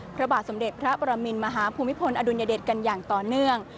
พระบาทสมเด็จพระประมินมหาภูมิพลอดุลยเดชกันอย่างต่อเนื่อง